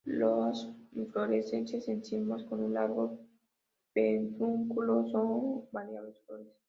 Las inflorescencias en cimas con un largo pedúnculo con varias flores.